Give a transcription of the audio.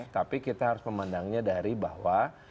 tapi kita harus memandangnya dari bahwa